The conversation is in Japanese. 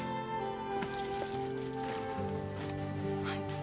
はい。